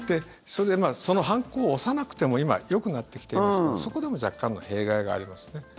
その判子を押さなくても今、よくなってきていますのでそこでも若干の弊害がありますね。